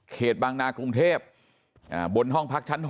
บางนากรุงเทพบนห้องพักชั้น๖